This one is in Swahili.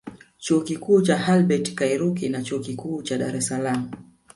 Chuo Kikuu cha Hubert Kairuki na Chuo Kikuu cha Dar es Salaam